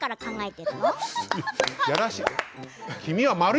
いやらしい。